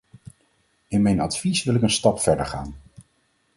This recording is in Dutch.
In mijn advies wil ik een stap verder gaan.